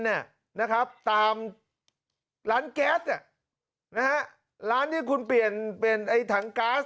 เนี่ยนะครับตามร้านแก๊สนะฮะร้านที่คุณเปลี่ยนเป็นทั้งก๊าส